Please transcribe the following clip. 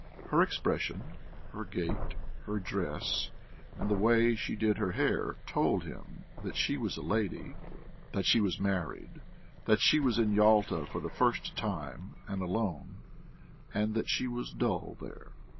Her expression, her gait, her dress, and the way she did her hair told him that she was a lady, that she was married, that she was in Yalta for the first time and alone, and that she was dull there....